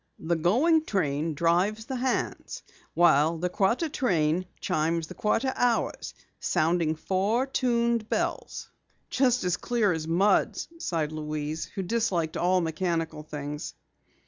The going train drives the hands, while the quarter train chimes the quarter hours, sounding four tuned bells." "Just as clear as mud," sighed Louise who disliked all mechanical things.